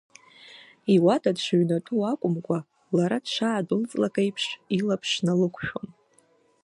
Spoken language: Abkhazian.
Иуада дшыҩнатәоу акәымкәа, лара дшаадәылҵлак еиԥш, илаԥш налықәшәон.